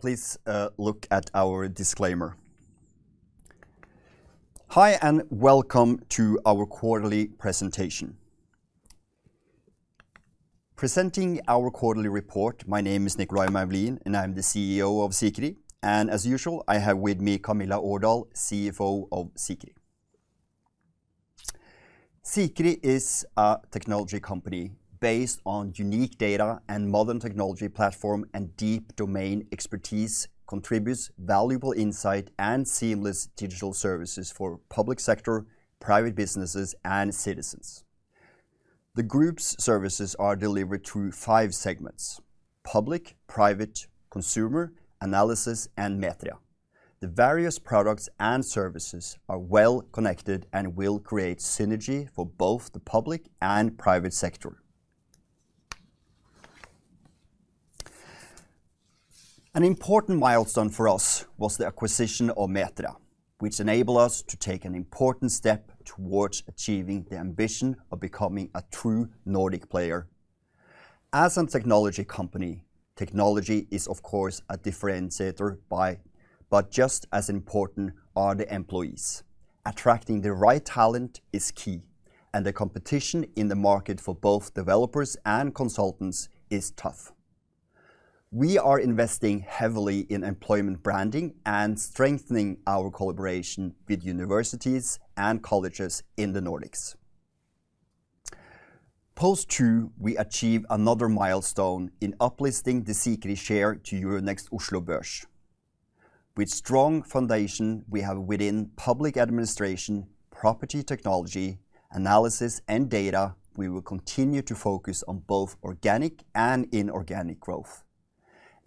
Please, look at our disclaimer. Hi, and welcome to our quarterly presentation. Presenting our quarterly report, my name is Nicolay Moulin, and I'm the CEO of Spir Group. As usual, I have with me Camilla Aardal, CFO of Spir Group. Spir Group is a technology company based on unique data and modern technology platform, and deep domain expertise contributes valuable insight and seamless digital services for public sector, private businesses, and citizens. The group's services are delivered through five segments, public, private, consumer, analysis, and Metria. The various products and services are well connected and will create synergy for both the public and private sector. An important milestone for us was the acquisition of Metria, which enable us to take an important step towards achieving the ambition of becoming a true Nordic player. As a technology company, technology is, of course, a differentiator by. But just as important are the employees. Attracting the right talent is key, and the competition in the market for both developers and consultants is tough. We are investing heavily in employment branding and strengthening our collaboration with universities and colleges in the Nordics. In Q2, we achieve another milestone in uplisting the Sikri share to Euronext Oslo Børs. With strong foundation we have within public administration, property technology, analysis, and data, we will continue to focus on both organic and inorganic growth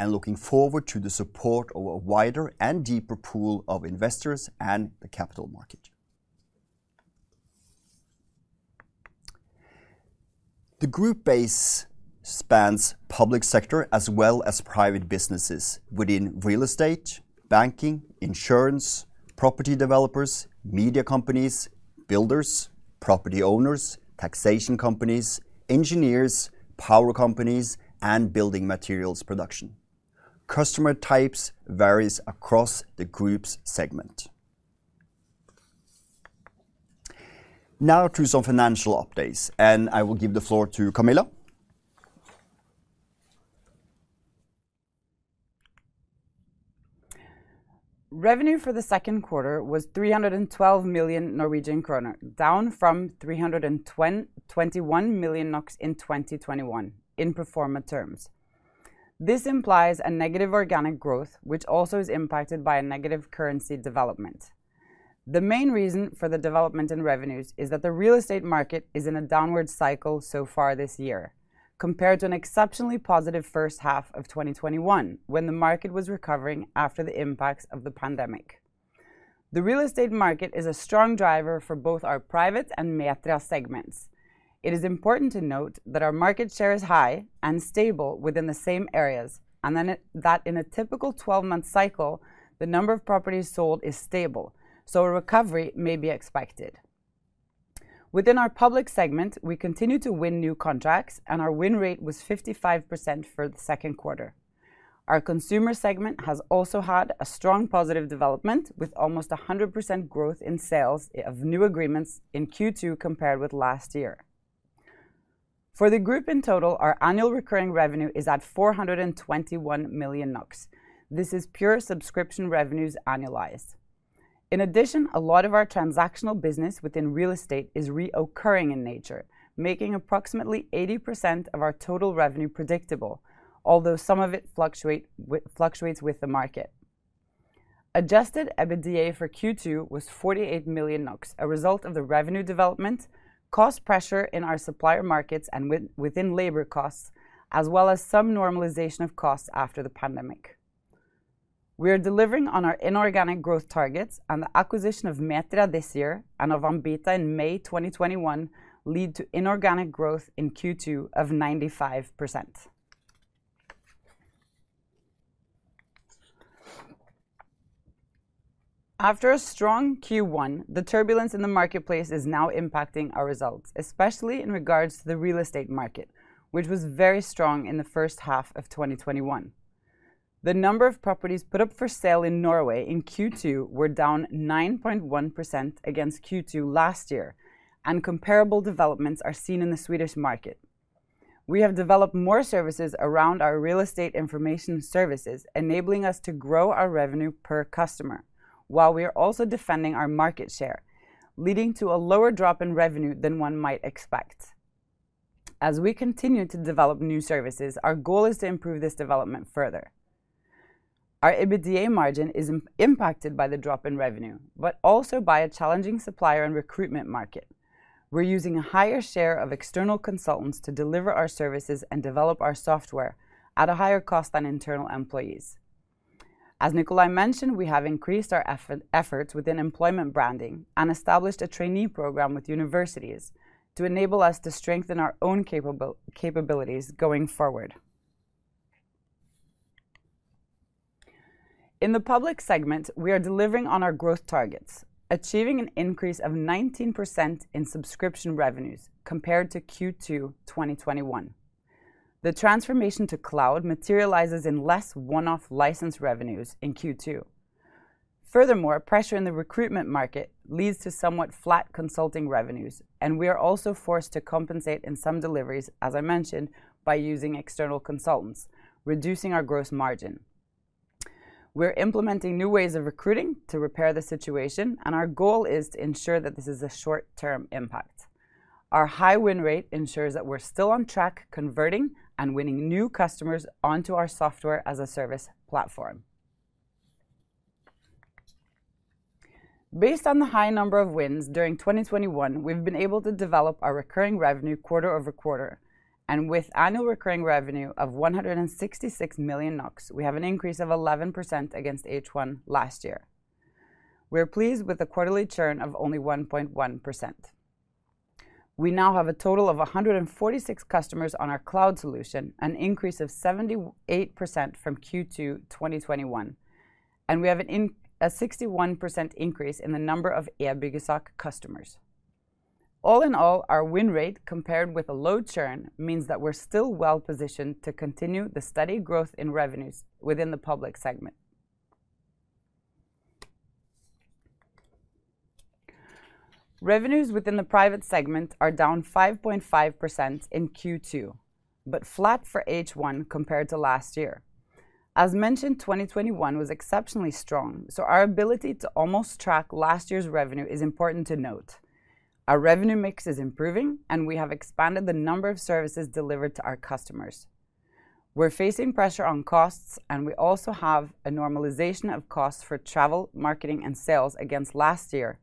and looking forward to the support of a wider and deeper pool of investors and the capital market. The group base spans public sector as well as private businesses within real estate, banking, insurance, property developers, media companies, builders, property owners, taxation companies, engineers, power companies, and building materials production. Customer types varies across the group's segment. Now to some financial updates, and I will give the floor to Camilla. Revenue for the second quarter was 312 million Norwegian kroner, down from 321 million NOK in 2021 in pro forma terms. This implies a negative organic growth, which also is impacted by a negative currency development. The main reason for the development in revenues is that the real estate market is in a downward cycle so far this year compared to an exceptionally positive first half of 2021 when the market was recovering after the impacts of the pandemic. The real estate market is a strong driver for both our private and Metria segments. It is important to note that our market share is high and stable within the same areas, that in a typical 12-month cycle, the number of properties sold is stable, so a recovery may be expected. Within our public segment, we continue to win new contracts, and our win rate was 55% for the second quarter. Our consumer segment has also had a strong positive development with almost 100% growth in sales of new agreements in Q2 compared with last year. For the group in total, our annual recurring revenue is at 421 million. This is pure subscription revenues annualized. In addition, a lot of our transactional business within real estate is recurring in nature, making approximately 80% of our total revenue predictable, although some of it fluctuates with the market. Adjusted EBITDA for Q2 was 48 million NOK, a result of the revenue development, cost pressure in our supplier markets and within labor costs, as well as some normalization of costs after the pandemic. We are delivering on our inorganic growth targets and the acquisition of Metria this year and of Ambita in May 2021 lead to inorganic growth in Q2 of 95%. After a strong Q1, the turbulence in the marketplace is now impacting our results, especially in regards to the real estate market, which was very strong in the first half of 2021. The number of properties put up for sale in Norway in Q2 were down 9.1% against Q2 last year, and comparable developments are seen in the Swedish market. We have developed more services around our real estate information services, enabling us to grow our revenue per customer while we are also defending our market share, leading to a lower drop in revenue than one might expect. As we continue to develop new services, our goal is to improve this development further. Our EBITDA margin is impacted by the drop in revenue but also by a challenging supplier and recruitment market. We're using a higher share of external consultants to deliver our services and develop our software at a higher cost than internal employees. As Nicolay mentioned, we have increased our efforts within employment branding and established a trainee program with universities to enable us to strengthen our own capabilities going forward. In the public segment, we are delivering on our growth targets, achieving an increase of 19% in subscription revenues compared to Q2 2021. The transformation to cloud materializes in less one-off license revenues in Q2. Furthermore, pressure in the recruitment market leads to somewhat flat consulting revenues, and we are also forced to compensate in some deliveries, as I mentioned, by using external consultants, reducing our gross margin. We're implementing new ways of recruiting to repair the situation, and our goal is to ensure that this is a short-term impact. Our high win rate ensures that we're still on track converting and winning new customers onto our software as a service platform. Based on the high number of wins during 2021, we've been able to develop our recurring revenue quarter over quarter. With annual recurring revenue of 166 million NOK, we have an increase of 11% against H1 last year. We are pleased with the quarterly churn of only 1.1%. We now have a total of 146 customers on our cloud solution, an increase of 78% from Q2 2021, and we have a 61% increase in the number of EiendomsMegler customers. All in all, our win rate compared with a low churn means that we're still well-positioned to continue the steady growth in revenues within the public segment. Revenues within the private segment are down 5.5% in Q2, but flat for H1 compared to last year. As mentioned, 2021 was exceptionally strong, so our ability to almost track last year's revenue is important to note. Our revenue mix is improving, and we have expanded the number of services delivered to our customers. We're facing pressure on costs, and we also have a normalization of costs for travel, marketing, and sales against last year,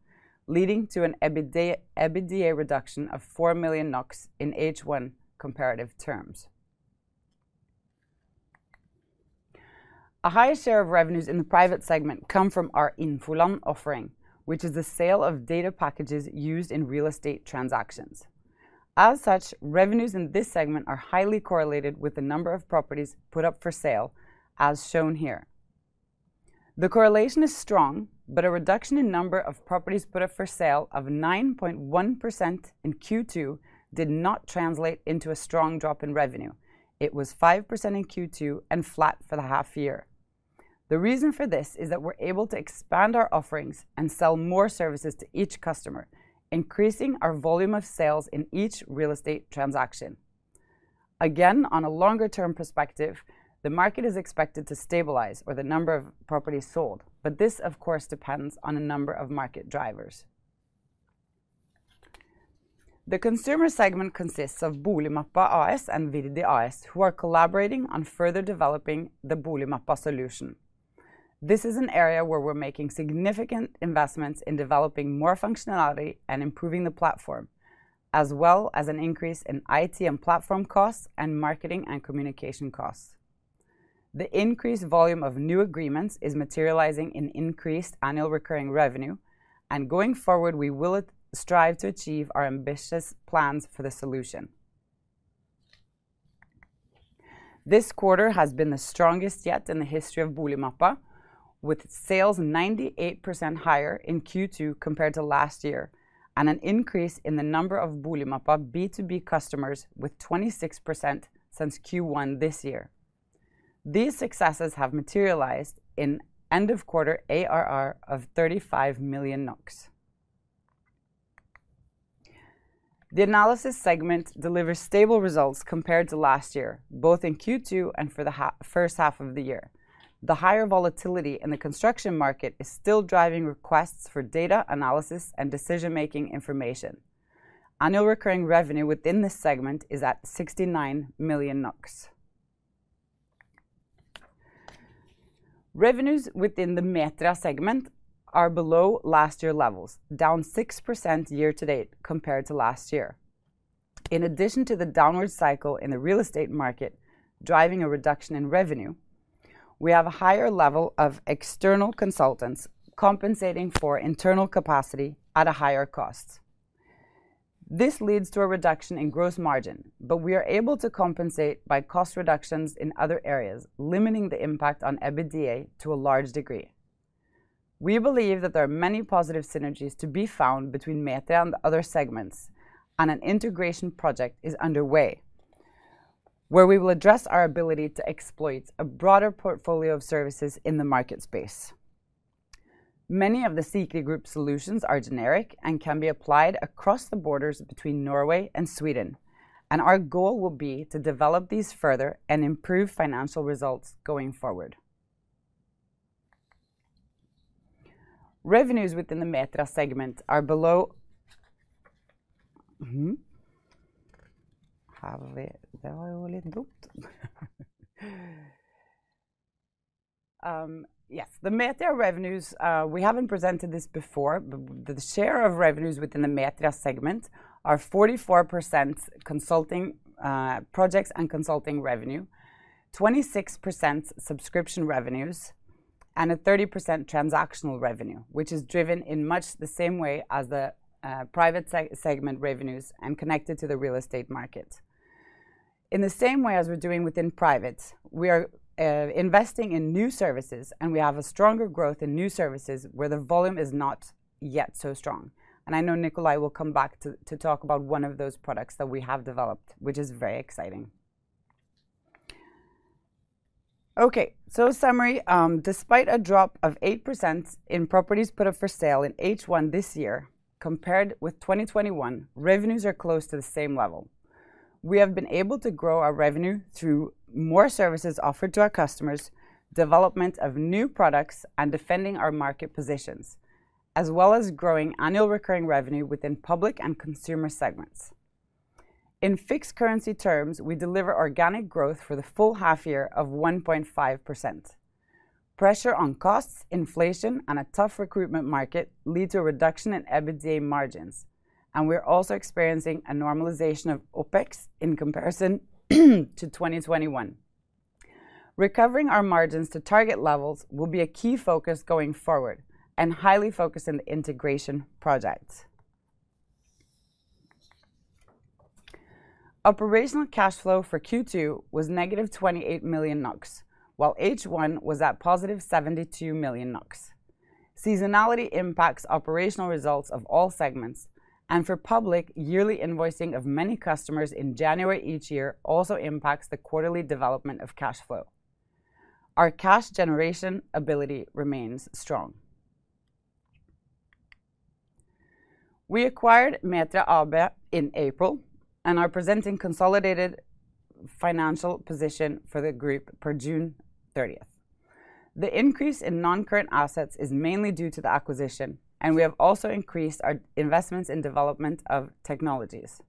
leading to an EBITDA reduction of 4 million NOK in H1 comparative terms. A high share of revenues in the private segment come from our Infoland offering, which is the sale of data packages used in real estate transactions. As such, revenues in this segment are highly correlated with the number of properties put up for sale, as shown here. The correlation is strong, but a reduction in number of properties put up for sale of 9.1% in Q2 did not translate into a strong drop in revenue. It was 5% in Q2 and flat for the half year. The reason for this is that we're able to expand our offerings and sell more services to each customer, increasing our volume of sales in each real estate transaction. Again, on a longer-term perspective, the market is expected to stabilize or the number of properties sold, but this of course depends on a number of market drivers. The consumer segment consists of Boligmappa AS and Iverdi AS, who are collaborating on further developing the Boligmappa solution. This is an area where we're making significant investments in developing more functionality and improving the platform, as well as an increase in IT and platform costs and marketing and communication costs. The increased volume of new agreements is materializing in increased annual recurring revenue, and going forward, we will strive to achieve our ambitious plans for the solution. This quarter has been the strongest yet in the history of Boligmappa, with sales 98% higher in Q2 compared to last year and an increase in the number of Boligmappa B2B customers with 26% since Q1 this year. These successes have materialized in end of quarter ARR of 35 million NOK. The analysis segment delivers stable results compared to last year, both in Q2 and for the first half of the year. The higher volatility in the construction market is still driving requests for data analysis and decision-making information. Annual recurring revenue within this segment is at 69 million. Revenues within the Metria segment are below last year levels, down 6% year to date compared to last year. In addition to the downward cycle in the real estate market driving a reduction in revenue, we have a higher level of external consultants compensating for internal capacity at a higher cost. This leads to a reduction in gross margin, but we are able to compensate by cost reductions in other areas, limiting the impact on EBITDA to a large degree. We believe that there are many positive synergies to be found between Metria and the other segments, and an integration project is underway where we will address our ability to exploit a broader portfolio of services in the market space. Many of the Spir Group solutions are generic and can be applied across the borders between Norway and Sweden, and our goal will be to develop these further and improve financial results going forward. The Metria revenues, we haven't presented this before. The share of revenues within the Metria segment are 44% consulting, projects and consulting revenue, 26% subscription revenues, and 30% transactional revenue, which is driven in much the same way as the private segment revenues and connected to the real estate market. In the same way as we're doing within private, we are investing in new services, and we have a stronger growth in new services where the volume is not yet so strong. I know Nicolay Moulin will come back to talk about one of those products that we have developed, which is very exciting. Okay. Summary, despite a drop of 8% in properties put up for sale in H1 this year compared with 2021, revenues are close to the same level. We have been able to grow our revenue through more services offered to our customers, development of new products, and defending our market positions, as well as growing annual recurring revenue within public and consumer segments. In fixed currency terms, we deliver organic growth for the full half year of 1.5%. Pressure on costs, inflation, and a tough recruitment market lead to a reduction in EBITDA margins, and we're also experiencing a normalization of OPEX in comparison to 2021. Recovering our margins to target levels will be a key focus going forward and highly focused in the integration project. Operational cash flow for Q2 was -28 million NOK, while H1 was at 72 million NOK. Seasonality impacts operational results of all segments, and for public, yearly invoicing of many customers in January each year also impacts the quarterly development of cash flow. Our cash generation ability remains strong. We acquired Metria AB in April and are presenting consolidated financial position for the group per June thirtieth. The increase in non-current assets is mainly due to the acquisition, and we have also increased our investments in development of technologies,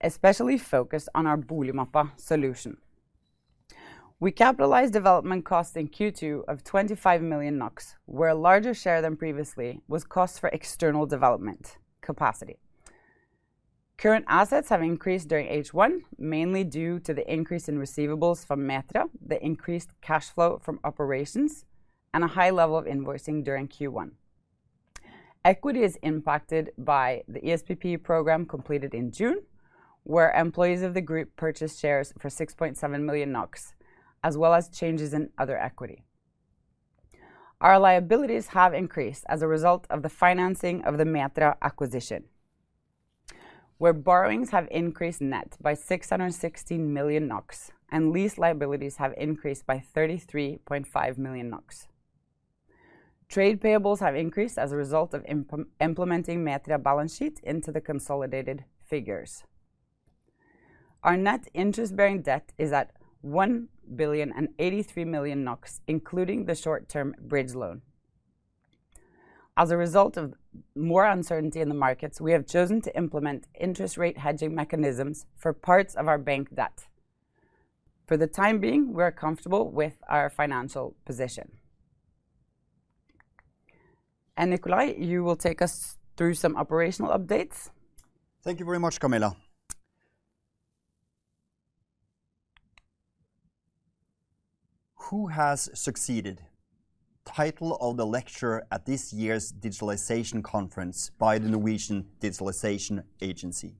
especially focused on our Boligmappa solution. We capitalized development cost in Q2 of 25 million NOK, where a larger share than previously was cost for external development capacity. Current assets have increased during H1, mainly due to the increase in receivables from Metria, the increased cash flow from operations, and a high level of invoicing during Q1. Equity is impacted by the ESPP program completed in June, where employees of the group purchased shares for 6.7 million NOK, as well as changes in other equity. Our liabilities have increased as a result of the financing of the Metria acquisition, where borrowings have increased net by 616 million NOK, and lease liabilities have increased by 33.5 million NOK. Trade payables have increased as a result of implementing Metria balance sheet into the consolidated figures. Our net interest-bearing debt is at 1,083 million NOK, including the short-term bridge loan. As a result of more uncertainty in the markets, we have chosen to implement interest rate hedging mechanisms for parts of our bank debt. For the time being, we are comfortable with our financial position. Nicolay, you will take us through some operational updates. Thank you very much, Camilla. "Who Has Succeeded?" Title of the lecture at this year's digitalization conference by the Norwegian Digitalization Agency.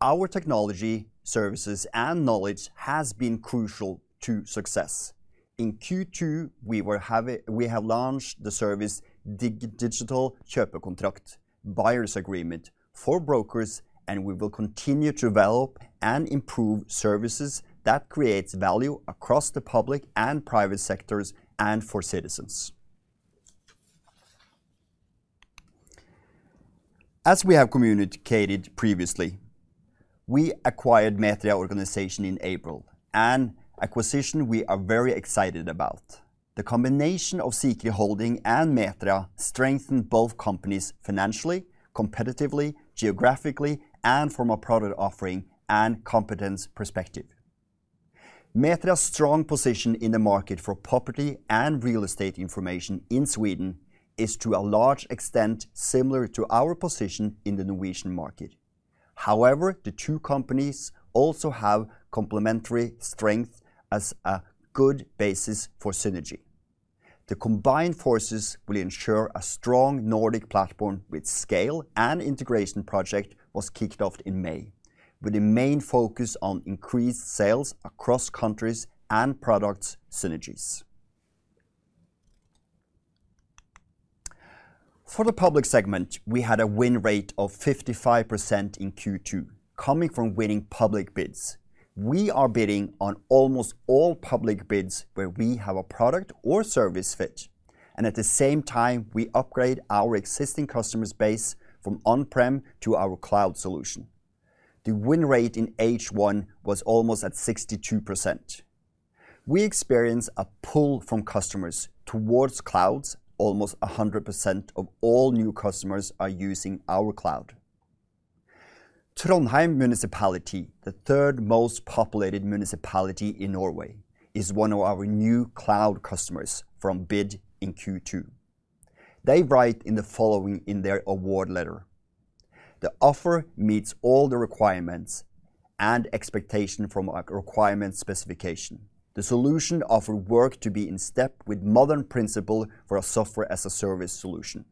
Our technology, services, and knowledge has been crucial to success. In Q2, we have launched the service, Digital Kjøpekontrakt, buyer's agreement for brokers, and we will continue to develop and improve services that creates value across the public and private sectors and for citizens. As we have communicated previously, we acquired Metria organization in April, an acquisition we are very excited about. The combination of Sikri Holding and Metria strengthened both companies financially, competitively, geographically, and from a product offering and competence perspective. Metria's strong position in the market for property and real estate information in Sweden is to a large extent similar to our position in the Norwegian market. However, the two companies also have complementary strength as a good basis for synergy. The combined forces will ensure a strong Nordic platform with scale, an integration project was kicked off in May, with a main focus on increased sales across countries and product synergies. For the public segment, we had a win rate of 55% in Q2 coming from winning public bids. We are bidding on almost all public bids where we have a product or service fit, and at the same time, we upgrade our existing customer base from on-prem to our cloud solution. The win rate in H1 was almost at 62%. We experience a pull from customers towards cloud. Almost 100% of all new customers are using our cloud. Trondheim Municipality, the third most populated municipality in Norway, is one of our new cloud customers from a bid in Q2. They write the following in their award letter, "The offer meets all the requirements and expectations from a requirement specification. The solution offered works to be in step with modern principles for a software as a service solution."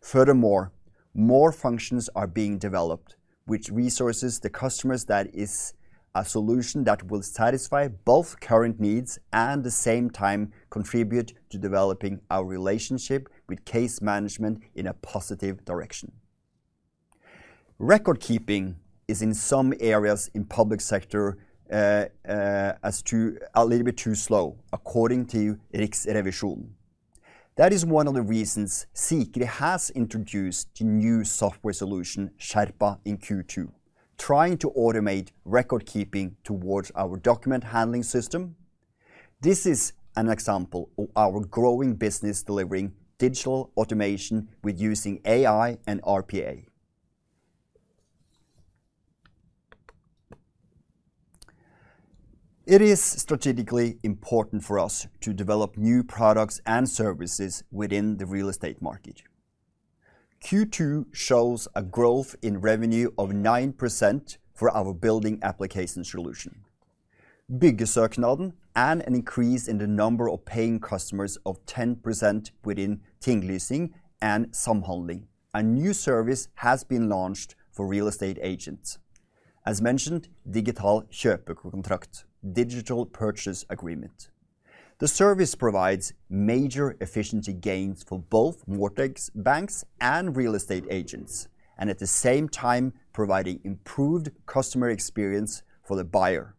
Furthermore, more functions are being developed, which reassures the customers that it is a solution that will satisfy both current needs and at the same time contribute to developing our relationship with case management in a positive direction. Record keeping is in some areas in public sector as a little bit too slow according to Riksrevisjonen. That is one of the reasons Sikri has introduced the new software solution, Sherpa, in Q2, trying to automate record keeping towards our document handling system. This is an example of our growing business delivering digital automation using AI and RPA. It is strategically important for us to develop new products and services within the real estate market. Q2 shows a growth in revenue of 9% for our building application solution, Byggesøknaden, and an increase in the number of paying customers of 10% within Tinglysing and Samhandling. A new service has been launched for real estate agents. As mentioned, Digital Kjøpekontrakt, digital purchase agreement. The service provides major efficiency gains for both Norwegian banks and real estate agents, and at the same time, providing improved customer experience for the buyer.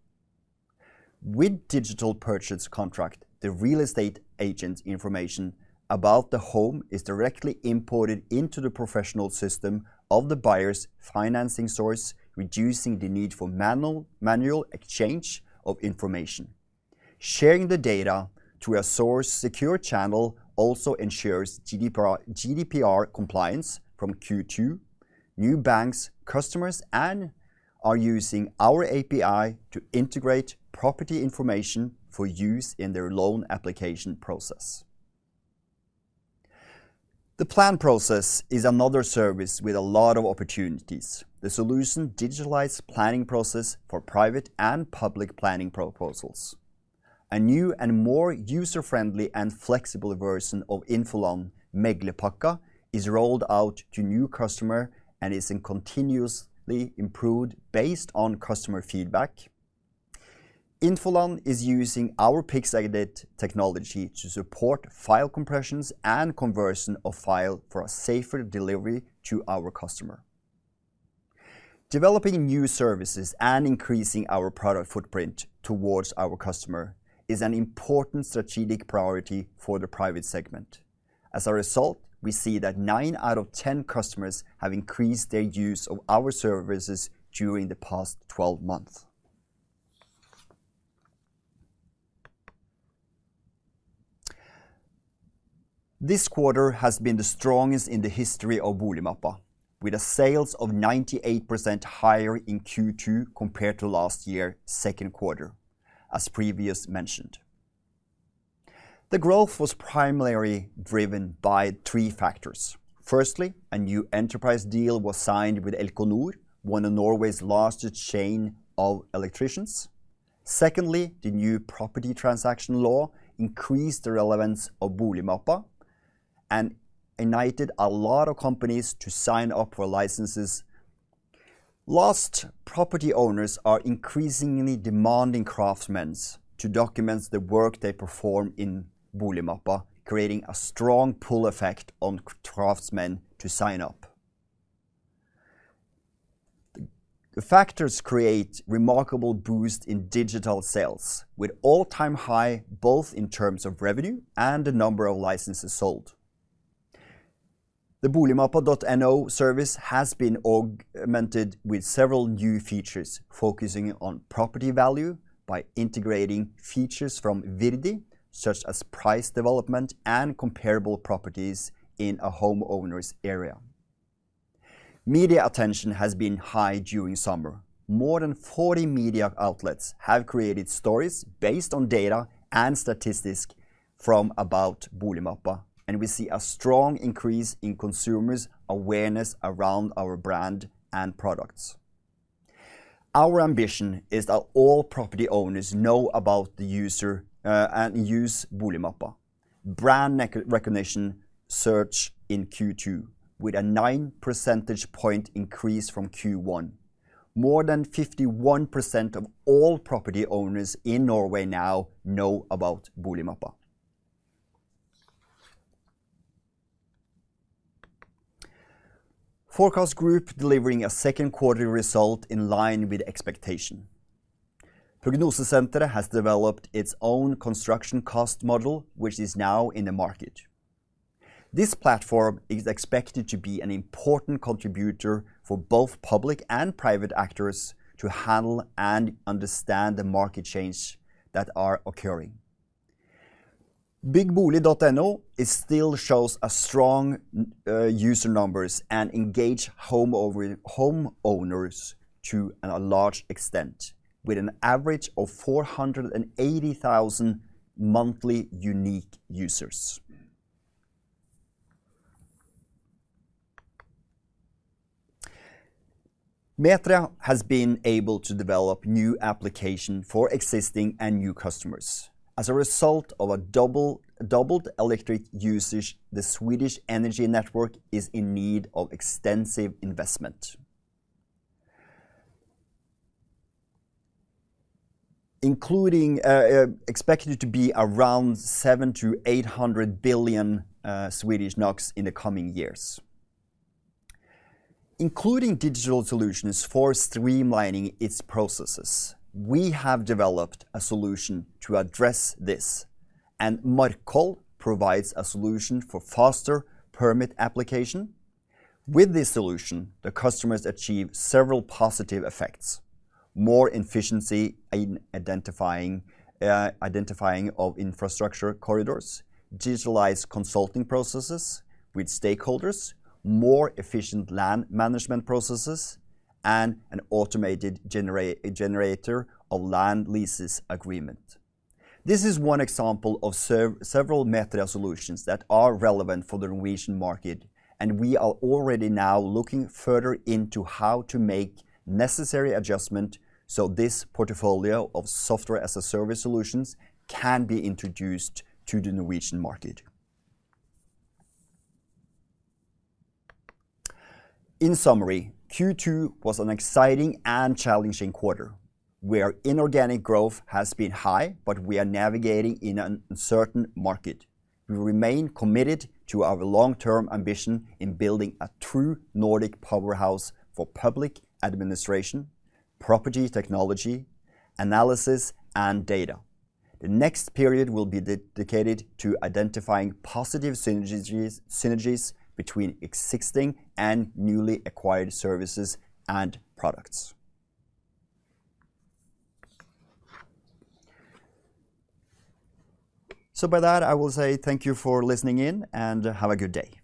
With digital purchase contract, the real estate agent information about the home is directly imported into the professional system of the buyer's financing source, reducing the need for manual exchange of information. Sharing the data through a secure channel also ensures GDPR compliance from Q2. New bank customers are using our API to integrate property information for use in their loan application process. The planning process is another service with a lot of opportunities. The solution digitalizes the planning process for private and public planning proposals. A new and more user-friendly and flexible version of Infoland Meglerpakker is rolled out to new customers and is continuously improved based on customer feedback. Infoland is using our Piksel technology to support file compressions and conversion of files for a safer delivery to our customers. Developing new services and increasing our product footprint towards our customers is an important strategic priority for the private segment. As a result, we see that nine out of ten customers have increased their use of our services during the past 12 months. This quarter has been the strongest in the history of Boligmappa, with sales 98% higher in Q2 compared to last year, second quarter, as previously mentioned. The growth was primarily driven by three factors. Firstly, a new enterprise deal was signed with Elkjøp, one of Norway's largest chain of electricians. Secondly, the new property transaction law increased the relevance of Boligmappa and united a lot of companies to sign up for licenses. Last, property owners are increasingly demanding craftsmen to document the work they perform in Boligmappa, creating a strong pull effect on craftsmen to sign up. The factors create remarkable boost in digital sales with all-time high, both in terms of revenue and the number of licenses sold. The Boligmappa.no service has been augmented with several new features, focusing on property value by integrating features from Iverdi, such as price development and comparable properties in a homeowner's area. Media attention has been high during summer. More than 40 media outlets have created stories based on data and statistics about Boligmappa, and we see a strong increase in consumers' awareness around our brand and products. Our ambition is that all property owners know about the user and use Boligmappa. Brand recognition search in Q2 with a 9% point increase from Q1. More than 51% of all property owners in Norway now know about Boligmappa. Spir Group delivering a second quarter result in line with expectation. Prognosesenteret has developed its own construction cost model, which is now in the market. This platform is expected to be an important contributor for both public and private actors to handle and understand the market changes that are occurring. ByggeBolig.no still shows strong user numbers and engages homeowners to a large extent, with an average of 480,000 monthly unique users. Metria has been able to develop new applications for existing and new customers. As a result of doubled electric usage, the Swedish energy network is in need of extensive investment, expected to be around 700-800 billion SEK in the coming years. Including digital solutions for streamlining its processes, we have developed a solution to address this, and Markkoll provides a solution for faster permit applications. With this solution, the customers achieve several positive effects, more efficiency in identifying of infrastructure corridors, digitalized consulting processes with stakeholders, more efficient land management processes, and an automated generator of land leases agreement. This is one example of several Metria solutions that are relevant for the Norwegian market, and we are already now looking further into how to make necessary adjustments so this portfolio of software as a service solutions can be introduced to the Norwegian market. In summary, Q2 was an exciting and challenging quarter, where inorganic growth has been high, but we are navigating in an uncertain market. We remain committed to our long-term ambition in building a true Nordic powerhouse for public administration, property technology, analysis, and data. The next period will be dedicated to identifying positive synergies between existing and newly acquired services and products. By that, I will say thank you for listening in, and have a good day.